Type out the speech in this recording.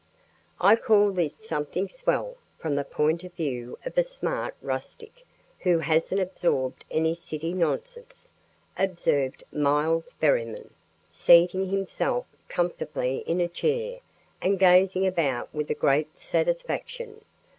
"I call this something swell, from the point of view of a smart rustic who hasn't absorbed any city nonsense," observed Miles Berryman, seating himself comfortably in a chair and gazing about with great satisfaction.